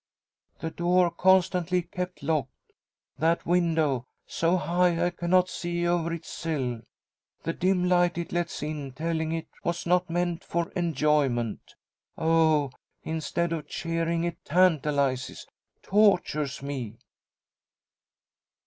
The door constantly kept locked! That window, so high, I cannot see over its sill! The dim light it lets in telling it was not meant for enjoyment. Oh! Instead of cheering it tantalises tortures me!"